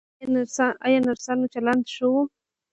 ایا نرسانو چلند ښه و؟